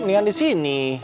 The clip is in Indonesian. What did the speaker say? mendingan di sini